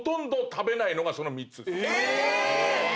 え！